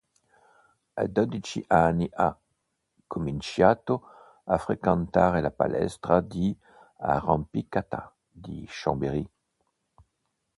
A dodici anni ha cominciato a frequentare la palestra di arrampicata di Chambéry.